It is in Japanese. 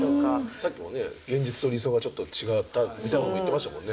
さっきもね現実と理想がちょっと違ったみたいなことも言ってましたもんね。